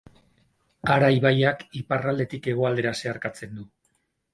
Ara ibaiak iparraldetik hegoaldera zeharkatzen du.